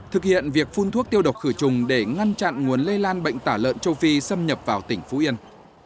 thực hiện việc phun thuốc tiêu độc khử trùng để ngăn chặn nguồn lây lan bệnh tả lợn châu phi xâm nhập vào tỉnh phú yên